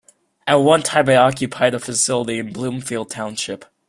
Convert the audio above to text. At one time it occupied a facility in Bloomfield Township.